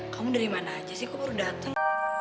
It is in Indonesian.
kamu dari mana aja sih aku baru datang